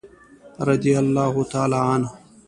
رضي الله تعالی عنه.